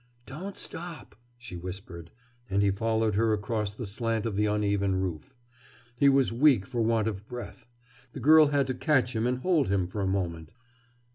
"Don't stop!" she whispered. And he followed her across the slant of the uneven roof. He was weak for want of breath. The girl had to catch him and hold him for a moment.